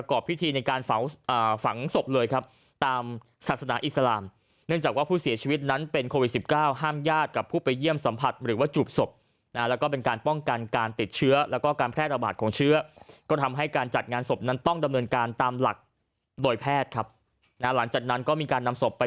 ฝังศพเลยครับตามศาสนาอิสลามเนื่องจากว่าผู้เสียชีวิตนั้นเป็นโควิดสิบเก้าห้ามญาติกับผู้ไปเยี่ยมสัมผัสหรือว่าจูบศพนะแล้วก็เป็นการป้องกันการติดเชื้อแล้วก็การแพร่ระบาดของเชื้อก็ทำให้การจัดงานศพนั้นต้องดำเนินการตามหลักโดยแพทย์ครับนะหลังจากนั้นก็มีการนำศพไป